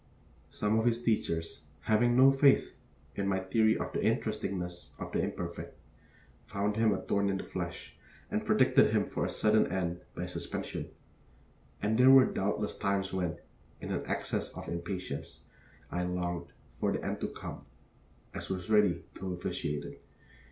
Some of his teachers, having no faith in my theory of the interestingness of the imperfect, found him a thorn in the flesh, and predicted for him a sudden end by suspension; and there were doubtless times when, in an access of impatience, I longed for the end to come and was ready to officiate at it.